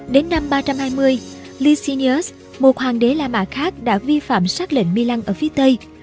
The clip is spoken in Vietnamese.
đến năm ba trăm hai mươi licinius một hoàng đế la mã khác đã vi phạm sát lệnh milan ở phía tây